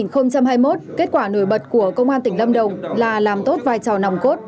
năm hai nghìn hai mươi một kết quả nổi bật của công an tỉnh lâm đồng là làm tốt vai trò nòng cốt